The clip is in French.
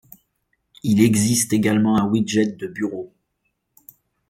Il existe également un widget de bureau.